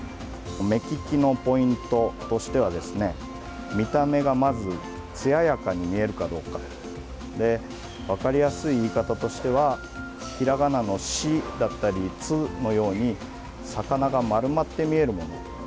目利きのポイントとしては見た目が、まずつややかに見えるかどうかで分かりやすい言い方としてはひらがなの「し」だったり「つ」のように魚が丸まって見えるもの。